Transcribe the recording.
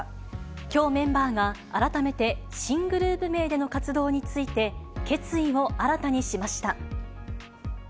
きょう、メンバーが改めて新グループ名での活動について、決意を新たにしました。